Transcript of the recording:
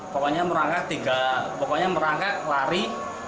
pokoknya merangkak tiga pokoknya merangkak lari